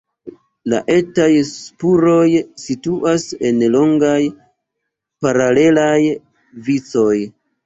La etaj spuroj situas en longaj, paralelaj vicoj.